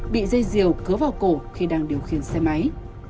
bị dây diều cứa vào cổ khi đang điều khiển xe máy